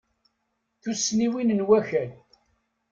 Tussniwin n wakal.